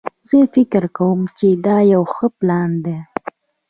زه فکر کوم چې دا یو ښه پلان ده